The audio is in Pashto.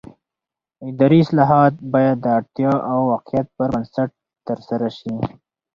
اداري اصلاحات باید د اړتیا او واقعیت پر بنسټ ترسره شي